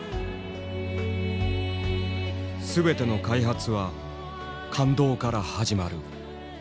「全ての開発は感動から始まる」。